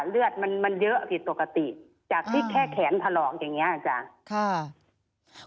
เลือดมันมันเยอะผิดปกติจากที่แค่แขนถลอกอย่างเงี้อาจารย์ค่ะ